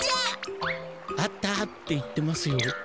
「あった！」って言ってますよ。